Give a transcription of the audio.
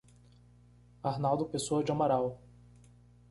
Arnaldo Pessoa de Amaral